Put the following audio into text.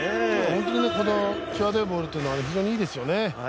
本当にこの際どいボールっていうのは、非常にいいですよね。